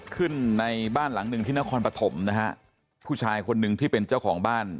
ในบ้านหลังหนึ่งที่นครปฐมนะฮะผู้ชายคนหนึ่งที่เป็นเจ้าของบ้าน